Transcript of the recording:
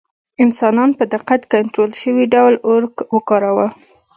انسانانو په دقت کنټرول شوي ډول اور وکاراوه.